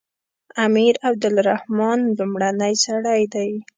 امیر عبدالرحمن لومړنی سړی دی.